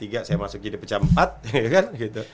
saya masuk jadi pecah empat